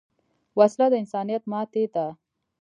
وسله د انسانیت ماتې ده